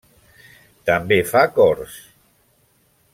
També fa cors.